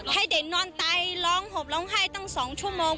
ให้เด็กนอนไตร้องห่มร้องไห้ตั้ง๒ชั่วโมง